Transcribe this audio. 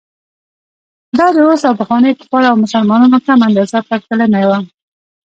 دا د اوس او پخوانیو کفارو او مسلمانانو کمه اندازه پرتلنه وه.